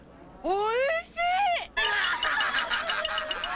おいしい！